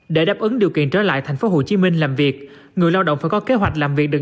để đáp ứng điều kiện trở lại tp hcm làm việc người lao động phải có kế hoạch làm việc được